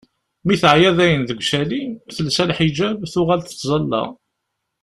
Mi teɛya dayen deg ucali, telsa lḥiǧab, tuɣal tettẓalla.